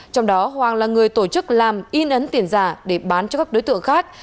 trong đó hoàng là người tổ chức làm in ấn tiền giả để bán cho các đối tượng khác